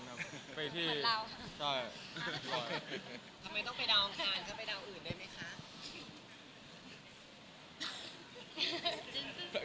ทำไมต้องไปดาวอังคารก็ไปเดาอื่นได้ไหมคะ